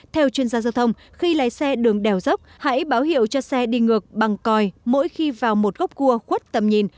theo chuyên gia giao thông khi lái xe đường đèo dốc hãy báo hiệu cho xe đi ngược bằng còi mỗi khi vào một góc cua khuất tầm nhìn